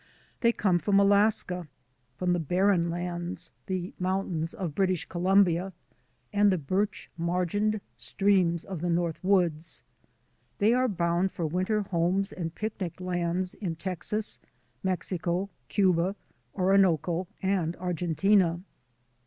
They come from Alaska, from the " barren lands/' the mountains of British Columbia, and the birch margined streams of the North Woods. They are bound for winter homes and picnic lands in Texas, Mex ico, Cuba, Orinoco, and Argentina.